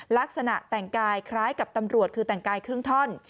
ลักษณะแต่งกายคล้ายกับตำรวจคือแต่งกายครึ่งท่อน